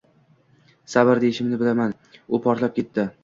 — Sabr!.. — deyishimni bilaman, u portlab ketdi: